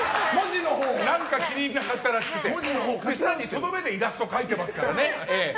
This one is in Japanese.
何か気にいらなかったらしくてとどめでイラスト描いてますから。